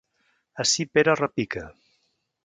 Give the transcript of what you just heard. Ací Pere repica.